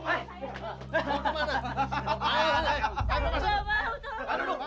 mas dia kabur loh